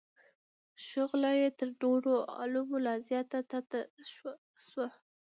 شغله یې تر نورو علومو لا زیاته تته شوه.